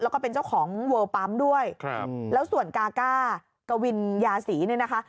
แล้วก็เป็นเจ้าของเวิลปั๊มด้วยครับแล้วส่วนกาก้ากวินยาศรีเนี่ยนะคะ